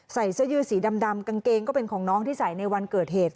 ใส่เสื้อยืดสีดำกางเกงก็เป็นของน้องที่ใส่ในวันเกิดเหตุ